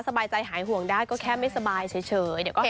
สบายใจหายห่วงได้ก็แค่ไม่สบายเฉยเดี๋ยวก็เห็น